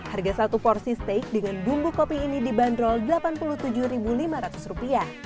harga satu porsi steak dengan bumbu kopi ini dibanderol rp delapan puluh tujuh lima ratus